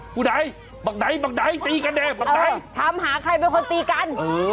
กูไหนบักไหนบักไหนตีกันเนี่ยเออถามหาใครเป็นคนตีกันเออ